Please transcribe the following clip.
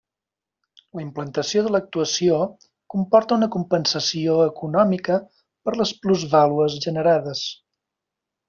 La implantació de l'actuació comporta una compensació econòmica per les plusvàlues generades.